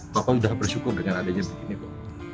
papa udah bersyukur dengan adanya begini bu